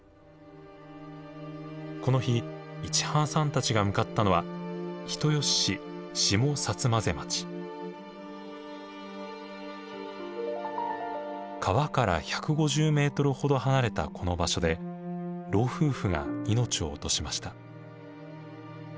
この日市花さんたちが向かったのは川から１５０ｍほど離れたこの場所で老夫婦が命を落としました。